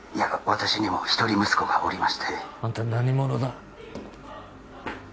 私にも一人息子がおりましてあんた何者だ？